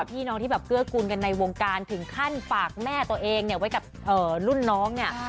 พี่น้องที่แบบเกื้อกูลกันในวงการถึงขั้นฝากแม่ตัวเองเนี่ยไว้กับรุ่นน้องเนี่ย